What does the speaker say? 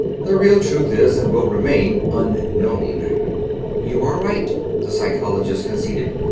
The real truth is and will remain unknown." "You are right," the Psychologist conceded.